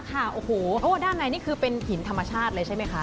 ค่ะโอ้โหเพราะว่าด้านในนี่คือเป็นหินธรรมชาติเลยใช่ไหมคะ